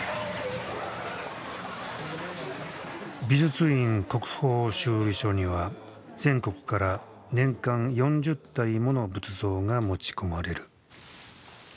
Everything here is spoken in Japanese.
美術院国宝修理所には全国から年間４０体もの仏像が持ち込まれる。